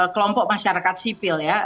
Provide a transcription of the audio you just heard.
kelompok masyarakat sipil ya